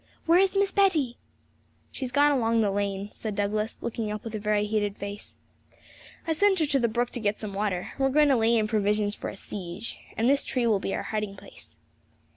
'Where is Miss Betty?' 'She's gone along the lane,' said Douglas, looking up with a very heated face; 'I sent her to the brook to get some water: we're going to lay in provisions for a siege; and this tree will be our hiding place.'